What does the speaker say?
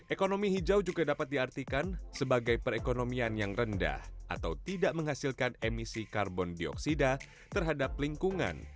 ekonomi hijau juga dapat diartikan sebagai perekonomian yang rendah atau tidak menghasilkan emisi karbon dioksida terhadap lingkungan